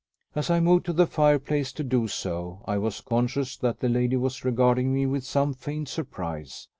As I moved to the fireplace to do so, I was conscious that the lady was regarding me with some faint surprise.